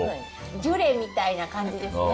ジュレみたいな感じですね。